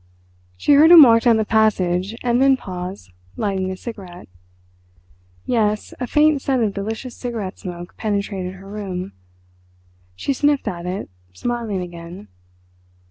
She heard him walk down the passage and then pause—lighting a cigarette. Yes—a faint scent of delicious cigarette smoke penetrated her room. She sniffed at it, smiling again.